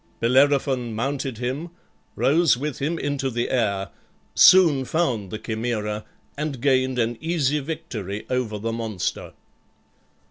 Bellerophon mounted him, rose with him into the air, soon found the Chimaera, and gained an easy victory over the monster.